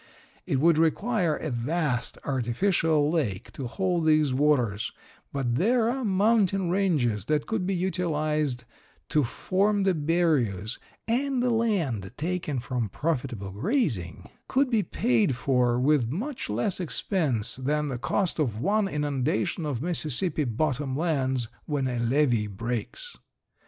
It would require a vast artificial lake to hold these waters, but there are mountain ranges that could be utilized to form the barriers and the land taken from profitable grazing could be paid for with much less expense than the cost of one inundation of Mississippi bottom lands when a levee breaks.